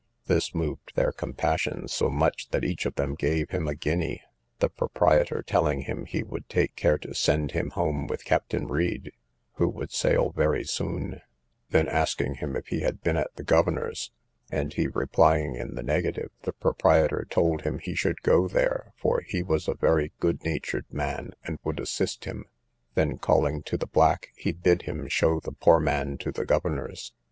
This moved their compassion so much, that each of them gave him a guinea; the proprietor telling him he would take care to send him home with Captain Read, who would sail, very soon; then asking him if he had been at the governor's, and he replying in the negative, the proprietor told him he should go there, for he was a very good natured man, and would assist him; then calling to the black, he bid him show the poor man to the governor's.